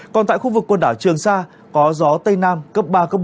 còn tại khu vực quần đảo trường sa có gió tây nam cấp ba bốn